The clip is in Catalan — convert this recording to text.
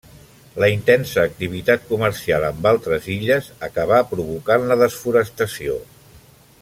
La intensa activitat comercial amb altres illes acabà provocant la desforestació.